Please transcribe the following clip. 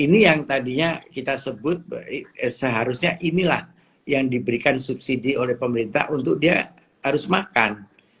ini yang tadinya kita sebut seharusnya inilah yang diberikan subsidi oleh pemerintah untuk dia harus makan